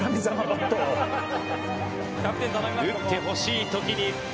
打ってほしい時に打つ。